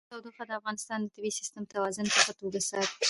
تودوخه د افغانستان د طبعي سیسټم توازن په ښه توګه ساتي.